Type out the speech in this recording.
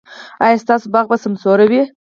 ایا ستاسو باغ به سمسور وي؟